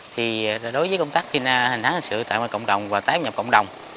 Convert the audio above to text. thì đối với công tác hành tháng hành sự tại mọi cộng đồng và tái hòa nhập cộng đồng